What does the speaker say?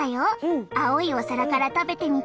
青いお皿から食べてみて！